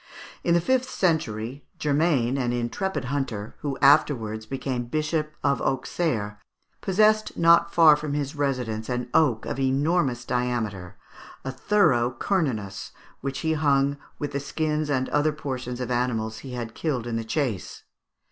In the fifth century, Germain, an intrepid hunter, who afterwards became Bishop of Auxerre, possessed not far from his residence an oak of enormous diameter, a thorough Cernunnos, which he hung with the skins and other portions of animals he had killed in the chase.